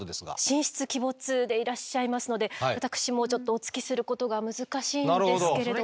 神出鬼没でいらっしゃいますので私もちょっとお付きすることが難しいんですけれども。